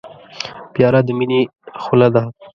پیاله د مینې خوله ده.